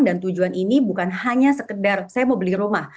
dan tujuan ini bukan hanya sekedar saya mau beli rumah